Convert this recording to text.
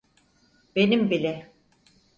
Benim bile.